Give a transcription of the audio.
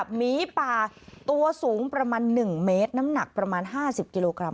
หมีป่าตัวสูงประมาณ๑เมตรน้ำหนักประมาณ๕๐กิโลกรัม